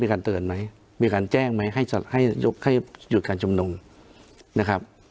มีการเตือนไหมมีการแจ้งไหมให้ให้ให้หยุดการจำนงด์นะครับ